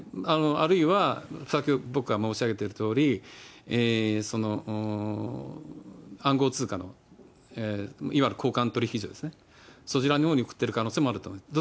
あるいは、先ほど僕が申し上げているとおり、暗号通貨のいわゆる交換取引所ですね、そちらのほうに送っている可能性もあると思います。